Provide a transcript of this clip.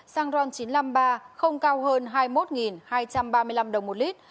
xăng ron chín trăm năm mươi ba không cao hơn hai mươi một hai trăm ba mươi năm đồng một lít